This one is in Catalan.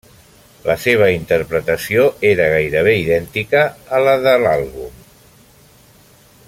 La seva interpretació era gairebé idèntica a la de l'àlbum.